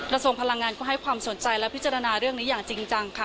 ทรงพลังงานก็ให้ความสนใจและพิจารณาเรื่องนี้อย่างจริงจังค่ะ